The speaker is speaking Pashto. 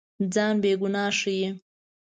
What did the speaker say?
ځان بېګناه ښيي.